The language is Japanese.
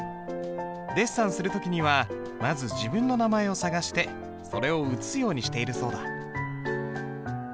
デッサンする時にはまず自分の名前を探してそれを写すようにしているそうだ。